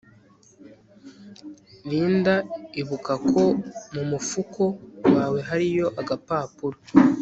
Linda ibuka ko mumufuko wawe hariyo agapapuro